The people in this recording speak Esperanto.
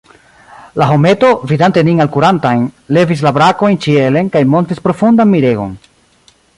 La hometo, vidante nin alkurantajn, levis la brakojn ĉielen, kaj montris profundan miregon.